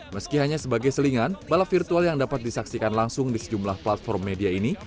meski hanya sebagai selingan balap virtual yang dapat disaksikan langsung di sejumlah platform media ini